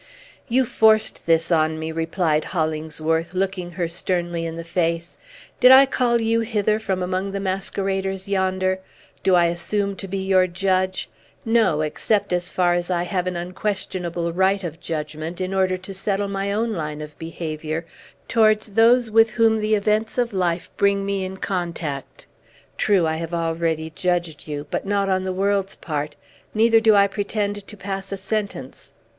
"You forced this on me," replied Hollingsworth, looking her sternly in the face. "Did I call you hither from among the masqueraders yonder? Do I assume to be your judge? No; except so far as I have an unquestionable right of judgment, in order to settle my own line of behavior towards those with whom the events of life bring me in contact. True, I have already judged you, but not on the world's part, neither do I pretend to pass a sentence!"